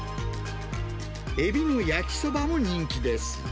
エビの焼きそばも人気です。